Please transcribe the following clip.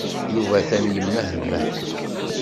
Yuba atan yemmehmeh.